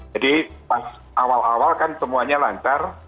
jadi awal awal kan semuanya lancar